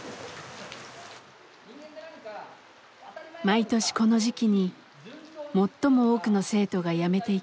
毎年この時期に最も多くの生徒がやめていきます。